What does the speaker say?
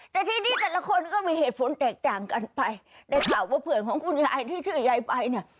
แต่ทีนี้แต่ละคนก็มีเหตุผัสแตกต่างกันไปแต่ข่าวว่าเพื่อนคุณยายที่ถือยยายไปนะ